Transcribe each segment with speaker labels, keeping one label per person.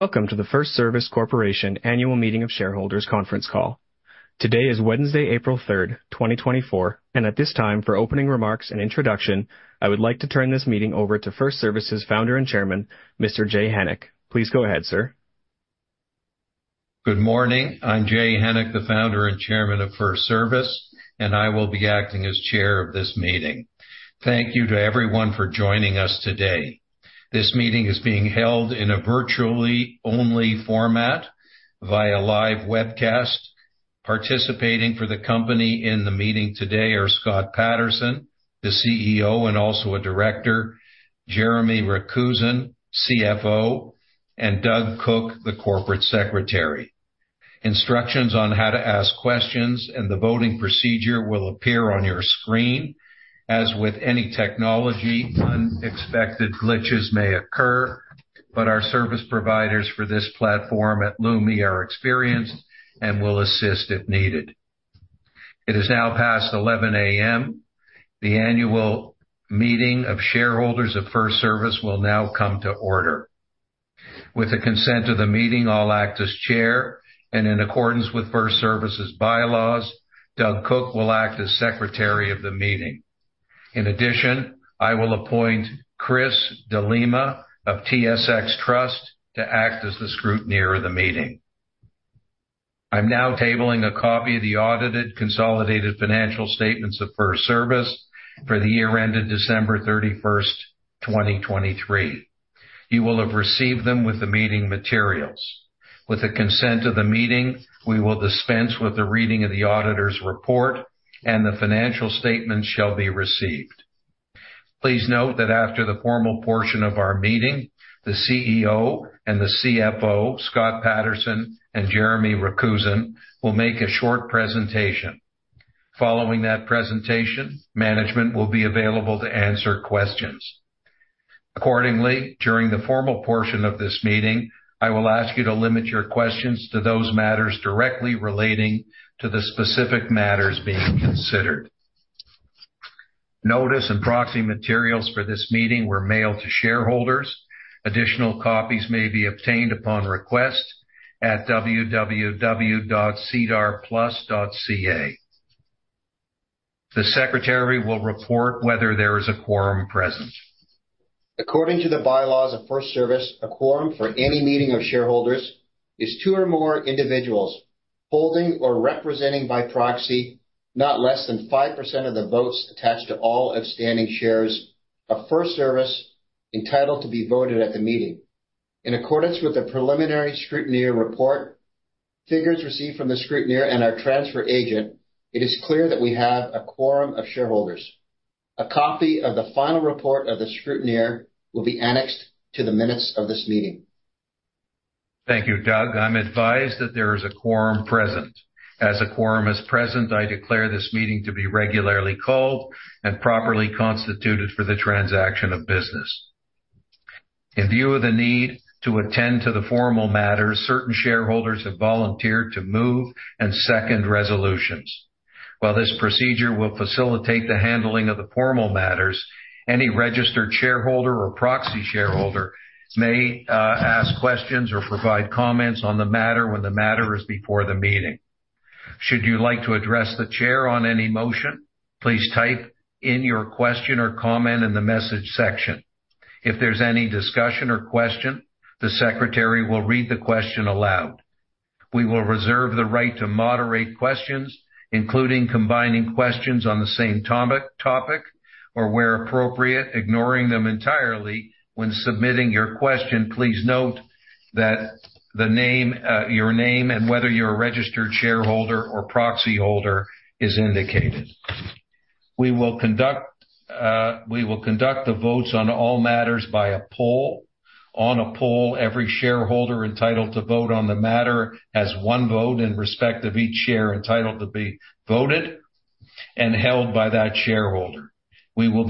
Speaker 1: Welcome to the FirstService Corporation Annual Meeting of Shareholders Conference Call. Today is Wednesday, April 3rd, 2024, and at this time, for opening remarks and introduction, I would like to turn this meeting over to FirstService's Founder and Chairman, Mr. Jay Hennick. Please go ahead, sir.
Speaker 2: Good morning. I'm Jay Hennick, the Founder and Chairman of FirstService, and I will be acting as Chair of this meeting. Thank you to everyone for joining us today. This meeting is being held in a virtual only format via live webcast. Participating for the company in the meeting today are Scott Patterson, the CEO and also a director, Jeremy Rakusin, CFO, and Doug Cooke, the Corporate Secretary. Instructions on how to ask questions and the voting procedure will appear on your screen. As with any technology, unexpected glitches may occur, but our service providers for this platform at Lumi are experienced and will assist if needed. It is now past 11:00 A.M. The annual meeting of shareholders of FirstService will now come to order. With the consent of the meeting, I'll act as Chair, and in accordance with FirstService's bylaws, Doug Cooke will act as Secretary of the meeting. In addition, I will appoint Chris de Lima of TSX Trust to act as the scrutineer of the meeting. I'm now tabling a copy of the audited consolidated financial statements of FirstService for the year ended December 31st, 2023. You will have received them with the meeting materials. With the consent of the meeting, we will dispense with the reading of the auditor's report, and the financial statements shall be received. Please note that after the formal portion of our meeting, the CEO and the CFO, Scott Patterson, and Jeremy Rakusin, will make a short presentation. Following that presentation, management will be available to answer questions. Accordingly, during the formal portion of this meeting, I will ask you to limit your questions to those matters directly relating to the specific matters being considered. Notice and proxy materials for this meeting were mailed to shareholders. Additional copies may be obtained upon request at www.sedarplus.ca. The secretary will report whether there is a quorum present.
Speaker 3: According to the bylaws of FirstService, a quorum for any meeting of shareholders is two or more individuals holding or representing by proxy not less than 5% of the votes attached to all outstanding shares of FirstService entitled to be voted at the meeting. In accordance with the preliminary scrutineer report, figures received from the scrutineer and our transfer agent, it is clear that we have a quorum of shareholders. A copy of the final report of the scrutineer will be annexed to the minutes of this meeting.
Speaker 2: Thank you, Doug. I'm advised that there is a quorum present. As a quorum is present, I declare this meeting to be regularly called and properly constituted for the transaction of business. In view of the need to attend to the formal matters, certain shareholders have volunteered to move and second resolutions. While this procedure will facilitate the handling of the formal matters, any registered shareholder or proxy shareholder may ask questions or provide comments on the matter when the matter is before the meeting. Should you like to address the Chair on any motion, please type in your question or comment in the message section. If there's any discussion or question, the secretary will read the question aloud. We will reserve the right to moderate questions, including combining questions on the same topic or where appropriate, ignoring them entirely. When submitting your question, please note that your name and whether you're a registered shareholder or proxy holder is indicated. We will conduct the votes on all matters by a poll. On a poll, every shareholder entitled to vote on the matter has one vote in respect of each share entitled to be voted and held by that shareholder. We will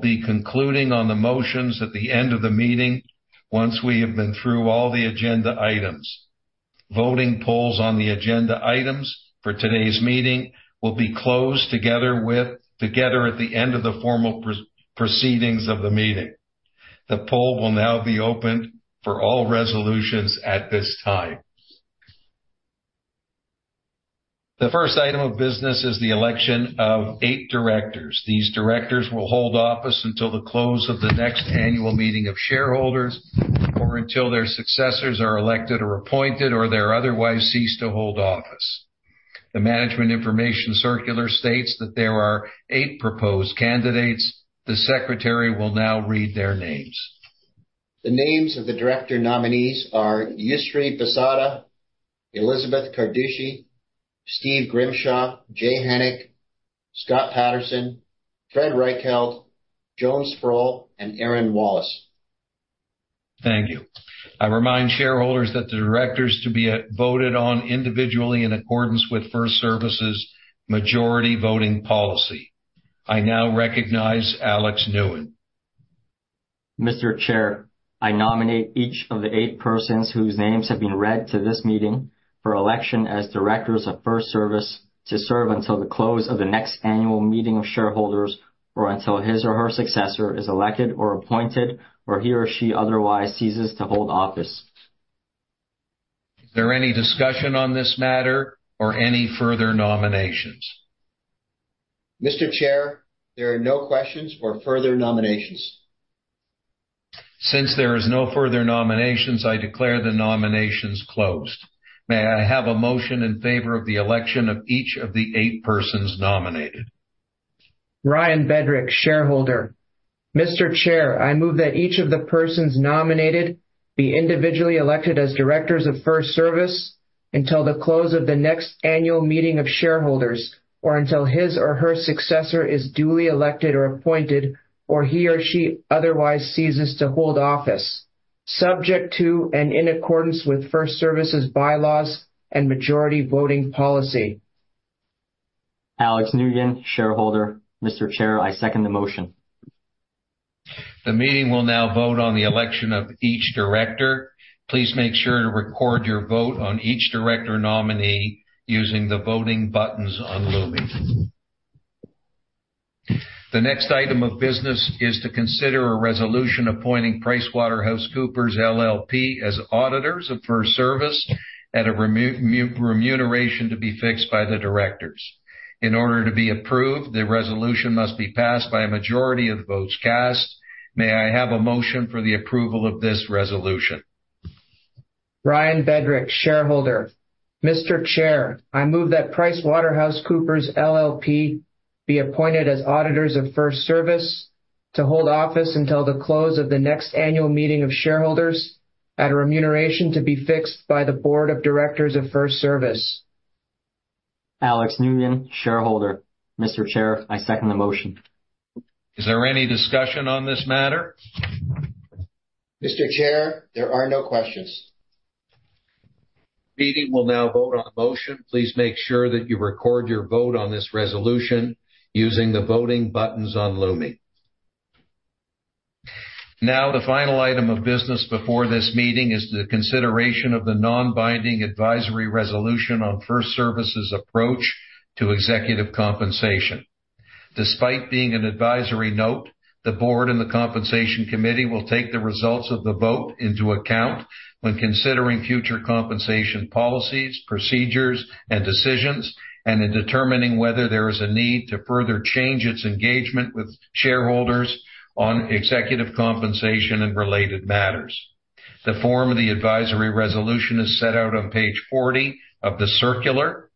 Speaker 2: be concluding on the motions at the end of the meeting once we have been through all the agenda items. Voting polls on the agenda items for today's meeting will be closed together at the end of the formal proceedings of the meeting. The poll will now be opened for all resolutions at this time. The first item of business is the election of eight directors. These directors will hold office until the close of the next annual meeting of shareholders or until their successors are elected or appointed or they're otherwise ceased to hold office. The management information circular states that there are eight proposed candidates. The secretary will now read their names.
Speaker 3: The names of the director nominees are Yousry Bissada, Elizabeth Carducci, Steve Grimshaw, Jay Hennick, Scott Patterson, Fred Reichheld, Joan Sproul, and Erin Wallace.
Speaker 2: Thank you. I remind shareholders that the directors to be voted on individually in accordance with FirstService's majority voting policy. I now recognize Alex Nguyen.
Speaker 4: Mr. Chair, I nominate each of the eight persons whose names have been read to this meeting for election as directors of FirstService to serve until the close of the next annual meeting of shareholders or until his or her successor is elected or appointed or he or she otherwise ceases to hold office.
Speaker 2: Is there any discussion on this matter or any further nominations?
Speaker 3: Mr. Chair, there are no questions or further nominations.
Speaker 2: Since there are no further nominations, I declare the nominations closed. May I have a motion in favor of the election of each of the eight persons nominated?
Speaker 5: Ryan Bedrick, shareholder. Mr. Chair, I move that each of the persons nominated be individually elected as directors of FirstService until the close of the next annual meeting of shareholders or until his or her successor is duly elected or appointed or he or she otherwise ceases to hold office, subject to and in accordance with FirstService's bylaws and majority voting policy.
Speaker 4: Alex Nguyen, shareholder. Mr. Chair, I second the motion.
Speaker 2: The meeting will now vote on the election of each director. Please make sure to record your vote on each director nominee using the voting buttons on Lumi. The next item of business is to consider a resolution appointing PricewaterhouseCoopers LLP as auditors of FirstService at a remuneration to be fixed by the directors. In order to be approved, the resolution must be passed by a majority of the votes cast. May I have a motion for the approval of this resolution?
Speaker 5: Ryan Bedrick, shareholder. Mr. Chair, I move that PricewaterhouseCoopers LLP be appointed as auditors of FirstService to hold office until the close of the next annual meeting of shareholders at a remuneration to be fixed by the Board of Directors of FirstService.
Speaker 4: Alex Nguyen, shareholder. Mr. Chair, I second the motion.
Speaker 2: Is there any discussion on this matter?
Speaker 3: Mr. Chair, there are no questions.
Speaker 2: The meeting will now vote on the motion. Please make sure that you record your vote on this resolution using the voting buttons on Lumi. Now, the final item of business before this meeting is the consideration of the non-binding advisory resolution on FirstService's approach to executive compensation. Despite being an advisory note, the Board and the Compensation Committee will take the results of the vote into account when considering future compensation policies, procedures, and decisions, and in determining whether there is a need to further change its engagement with shareholders on executive compensation and related matters. The form of the advisory resolution is set out on Page 40 of the circular.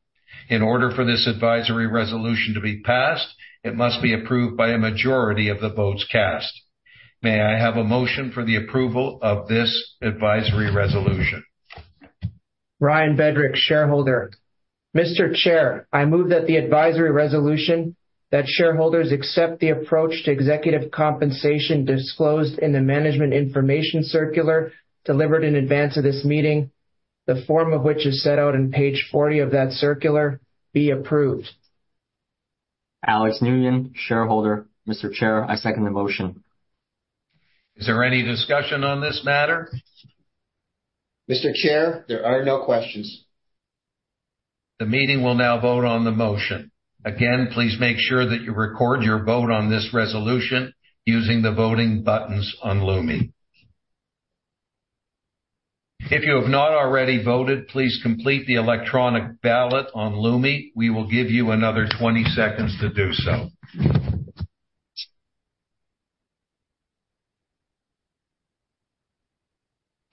Speaker 2: In order for this advisory resolution to be passed, it must be approved by a majority of the votes cast. May I have a motion for the approval of this advisory resolution?
Speaker 5: Mr. Chair, I move that the advisory resolution that shareholders accept the approach to executive compensation disclosed in the management information circular delivered in advance of this meeting, the form of which is set out on Page 40 of that circular, be approved.
Speaker 4: Alex Nguyen, shareholder. Mr. Chair, I second the motion.
Speaker 2: Is there any discussion on this matter?
Speaker 3: Mr. Chair, there are no questions.
Speaker 2: The meeting will now vote on the motion. Again, please make sure that you record your vote on this resolution using the voting buttons on Lumi. If you have not already voted, please complete the electronic ballot on Lumi. We will give you another 20 seconds to do so.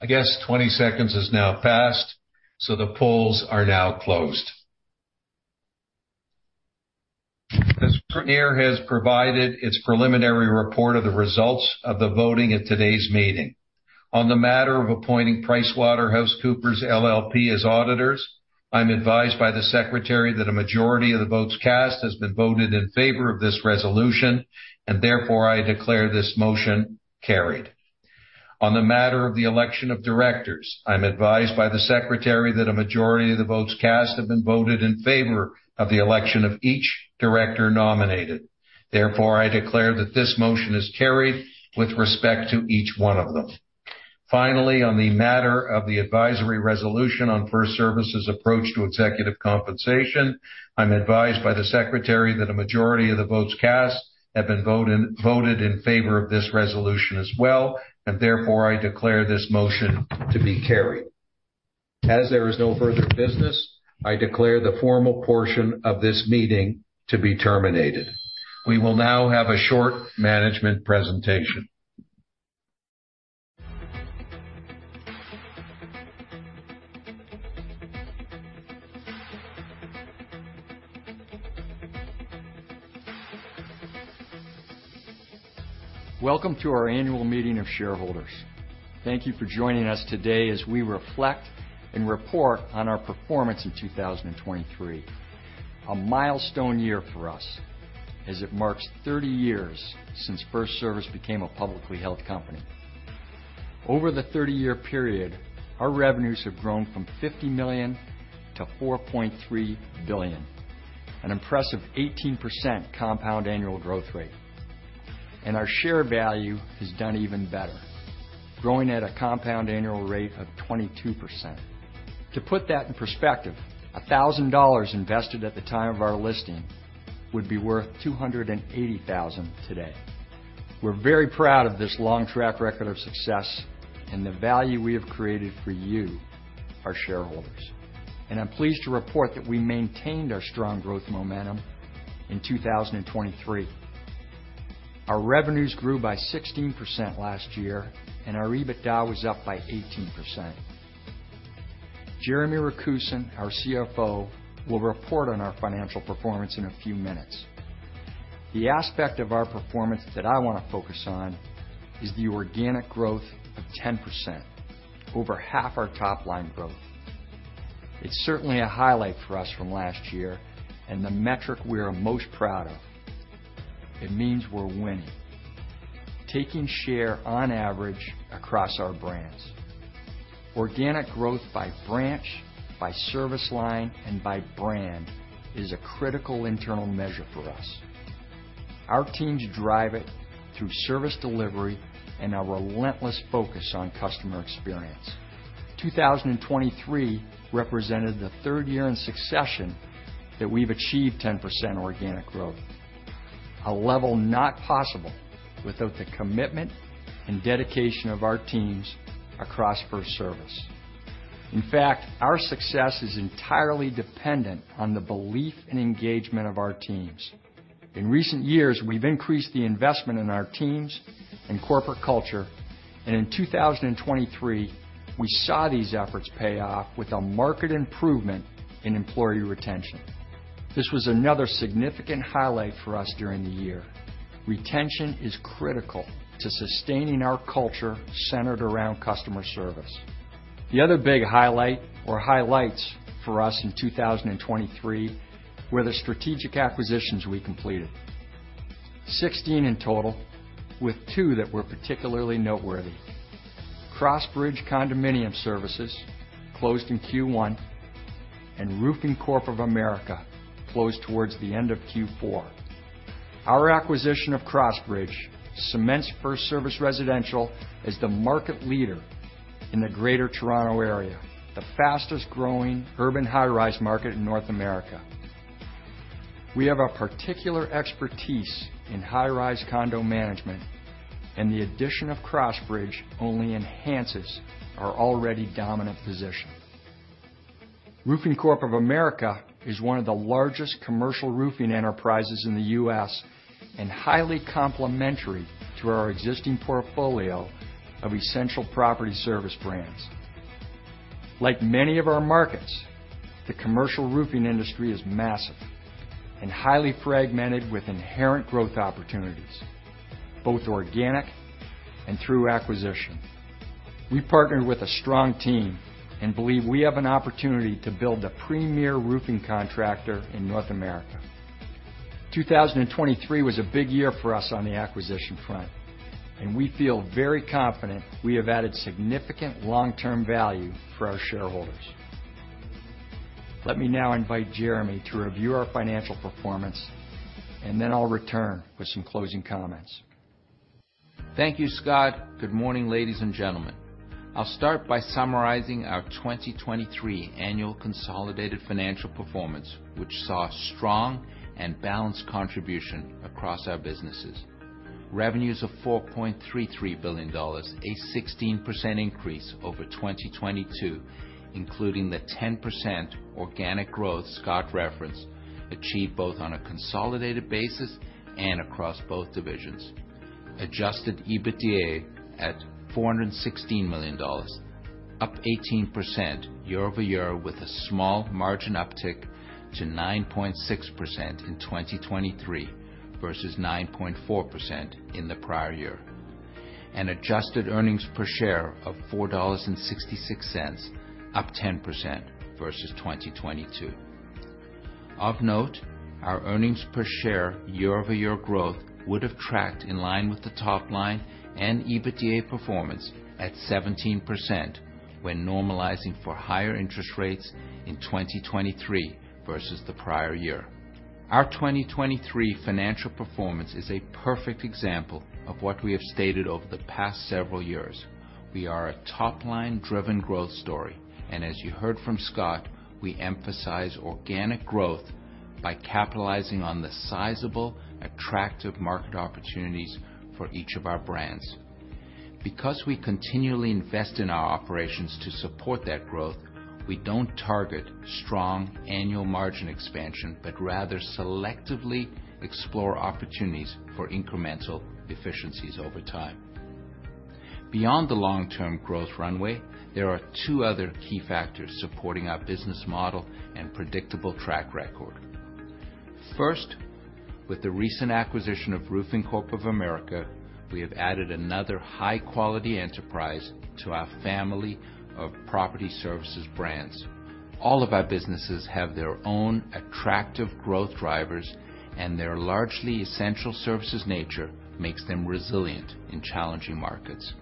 Speaker 2: I guess 20 seconds has now passed, so the polls are now closed. The scrutineer has provided its preliminary report of the results of the voting at today's meeting. On the matter of appointing PricewaterhouseCoopers LLP as auditors, I'm advised by the Secretary that a majority of the votes cast has been voted in favor of this resolution, and therefore I declare this motion carried. On the matter of the election of directors, I'm advised by the secretary that a majority of the votes cast have been voted in favor of the election of each director nominated. Therefore, I declare that this motion is carried with respect to each one of them. Finally, on the matter of the advisory resolution on FirstService's approach to executive compensation, I'm advised by the Secretary that a majority of the votes cast have been voted in favor of this resolution as well, and therefore I declare this motion to be carried. As there is no further business, I declare the formal portion of this meeting to be terminated. We will now have a short management presentation.
Speaker 6: Welcome to our annual meeting of shareholders. Thank you for joining us today as we reflect and report on our performance in 2023. A milestone year for us as it marks 30 years since FirstService became a publicly held company. Over the 30-year period, our revenues have grown from $50 million to $4.3 billion, an impressive 18% compound annual growth rate. Our share value has done even better, growing at a compound annual rate of 22%. To put that in perspective, $1,000 invested at the time of our listing would be worth $280,000 today. We're very proud of this long track record of success and the value we have created for you, our shareholders. I'm pleased to report that we maintained our strong growth momentum in 2023. Our revenues grew by 16% last year, and our EBITDA was up by 18%. Jeremy Rakusin, our CFO, will report on our financial performance in a few minutes. The aspect of our performance that I want to focus on is the organic growth of 10%, over half our top-line growth. It's certainly a highlight for us from last year and the metric we are most proud of. It means we're winning, taking share on average across our brands. Organic growth by branch, by service line, and by brand is a critical internal measure for us. Our teams drive it through service delivery and a relentless focus on customer experience. 2023 represented the third year in succession that we've achieved 10% organic growth, a level not possible without the commitment and dedication of our teams across FirstService. In fact, our success is entirely dependent on the belief and engagement of our teams. In recent years, we've increased the investment in our teams and corporate culture, and in 2023, we saw these efforts pay off with a marked improvement in employee retention. This was another significant highlight for us during the year. Retention is critical to sustaining our culture centered around customer service. The other big highlight or highlights for us in 2023 were the strategic acquisitions we completed: 16 in total, with two that were particularly noteworthy. Crossbridge Condominium Services closed in Q1, and Roofing Corp of America closed towards the end of Q4. Our acquisition of Crossbridge cements FirstService Residential as the market leader in the Greater Toronto Area, the fastest-growing urban high-rise market in North America. We have a particular expertise in high-rise condo management, and the addition of Crossbridge only enhances our already dominant position. Roofing Corp of America is one of the largest commercial roofing enterprises in the U.S. and highly complementary to our existing portfolio of essential property service brands. Like many of our markets, the commercial roofing industry is massive and highly fragmented with inherent growth opportunities, both organic and through acquisition. We partnered with a strong team and believe we have an opportunity to build a premier roofing contractor in North America. 2023 was a big year for us on the acquisition front, and we feel very confident we have added significant long-term value for our shareholders. Let me now invite Jeremy to review our financial performance, and then I'll return with some closing comments.
Speaker 7: Thank you, Scott. Good morning, ladies and gentlemen. I'll start by summarizing our 2023 annual consolidated financial performance, which saw strong and balanced contribution across our businesses. Revenues of $4.33 billion, a 16% increase over 2022, including the 10% organic growth Scott referenced, achieved both on a consolidated basis and across both divisions. Adjusted EBITDA at $416 million, up 18% year-over-year, with a small margin uptick to 9.6% in 2023 versus 9.4% in the prior year and adjusted earnings per share of $4.66, up 10% versus 2022. Of note, our earnings per share year-over-year growth would have tracked in line with the top-line and EBITDA performance at 17% when normalizing for higher interest rates in 2023 versus the prior year. Our 2023 financial performance is a perfect example of what we have stated over the past several years. We are a top-line-driven growth story, and as you heard from Scott, we emphasize organic growth by capitalizing on the sizable, attractive market opportunities for each of our brands. Because we continually invest in our operations to support that growth, we don't target strong annual margin expansion, but rather selectively explore opportunities for incremental efficiencies over time. Beyond the long-term growth runway, there are two other key factors supporting our business model and predictable track record. First, with the recent acquisition of Roofing Corp of America, we have added another high-quality enterprise to our family of property services brands. All of our businesses have their own attractive growth drivers, and their largely essential services nature makes them resilient in challenging markets.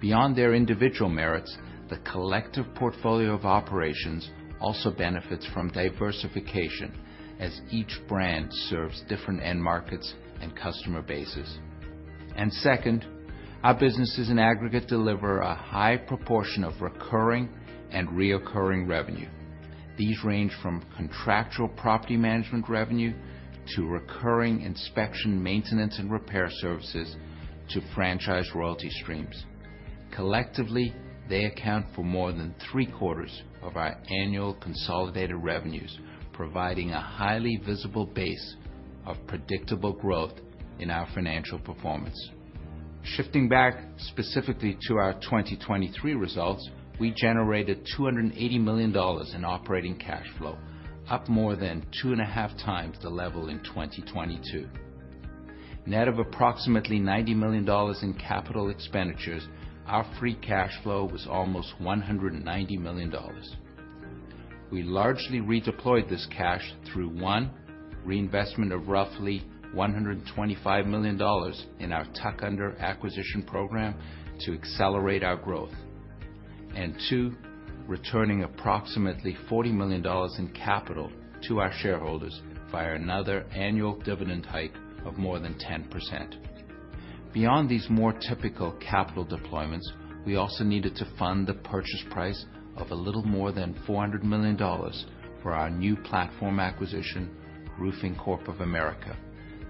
Speaker 7: Beyond their individual merits, the collective portfolio of operations also benefits from diversification as each brand serves different end markets and customer bases. Second, our businesses in aggregate deliver a high proportion of recurring and reoccurring revenue. These range from contractual property management revenue to recurring inspection, maintenance, and repair services to franchise royalty streams. Collectively, they account for more than 3/4 of our annual consolidated revenues, providing a highly visible base of predictable growth in our financial performance. Shifting back specifically to our 2023 results, we generated $280 million in operating cash flow, up more than 2.5x the level in 2022. Net of approximately $90 million in capital expenditures, our free cash flow was almost $190 million. We largely redeployed this cash through, one, reinvestment of roughly $125 million in our tuck-under acquisition program to accelerate our growth, and two, returning approximately $40 million in capital to our shareholders via another annual dividend hike of more than 10%. Beyond these more typical capital deployments, we also needed to fund the purchase price of a little more than $400 million for our new platform acquisition, Roofing Corp of America.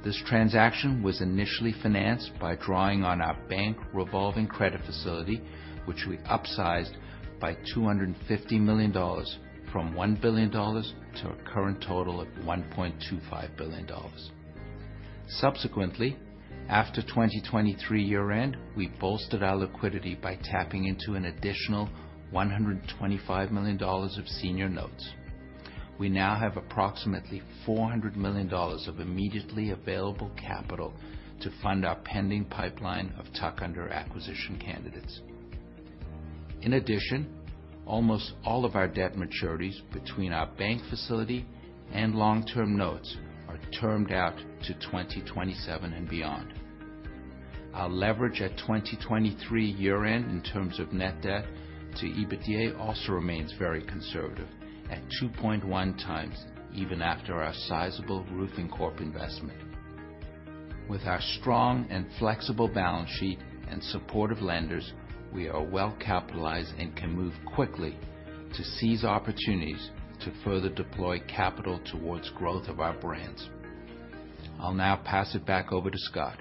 Speaker 7: This transaction was initially financed by drawing on our bank revolving credit facility, which we upsized by $250 million from $1 billion to a current total of $1.25 billion. Subsequently, after 2023 year-end, we bolstered our liquidity by tapping into an additional $125 million of senior notes. We now have approximately $400 million of immediately available capital to fund our pending pipeline of tuck-under acquisition candidates. In addition, almost all of our debt maturities between our bank facility and long-term notes are termed out to 2027 and beyond. Our leverage at 2023 year-end in terms of net debt to EBITDA also remains very conservative, at 2.1x even after our sizable Roofing Corp investment. With our strong and flexible balance sheet and supportive lenders, we are well capitalized and can move quickly to seize opportunities to further deploy capital towards growth of our brands. I'll now pass it back over to Scott.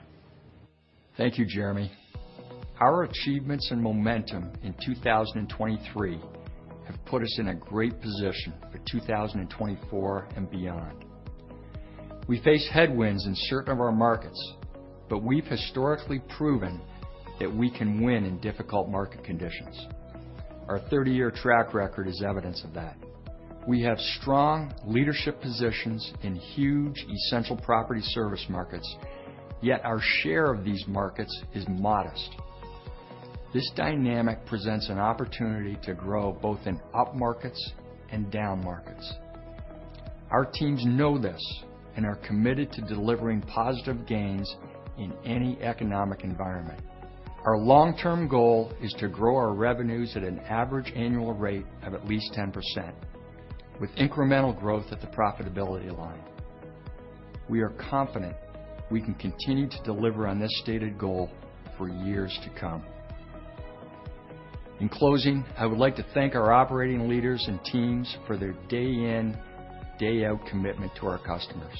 Speaker 6: Thank you, Jeremy. Our achievements and momentum in 2023 have put us in a great position for 2024 and beyond. We face headwinds in certain of our markets, but we've historically proven that we can win in difficult market conditions. Our 30-year track record is evidence of that. We have strong leadership positions in huge essential property service markets, yet our share of these markets is modest. This dynamic presents an opportunity to grow both in up markets and down markets. Our teams know this and are committed to delivering positive gains in any economic environment. Our long-term goal is to grow our revenues at an average annual rate of at least 10%, with incremental growth at the profitability line. We are confident we can continue to deliver on this stated goal for years to come. In closing, I would like to thank our operating leaders and teams for their day-in, day-out commitment to our customers.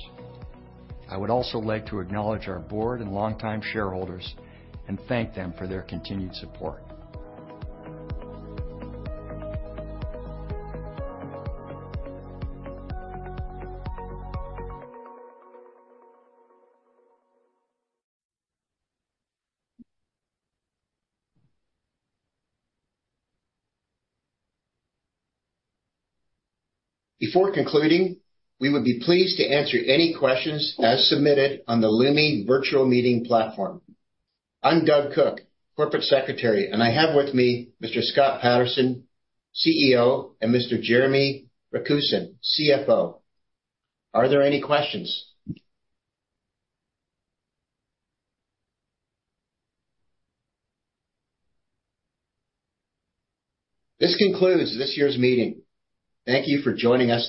Speaker 6: I would also like to acknowledge our Board and longtime shareholders and thank them for their continued support.
Speaker 3: Before concluding, we would be pleased to answer any questions as submitted on the Lumi virtual meeting platform. I'm Doug Cooke, Corporate Secretary, and I have with me Mr. Scott Patterson, CEO, and Mr. Jeremy Rakusin, CFO. Are there any questions? This concludes this year's meeting. Thank you for joining us.